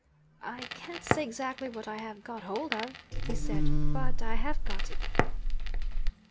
'I can't say exactly what I have got hold of,' he said. 'But I have got it.'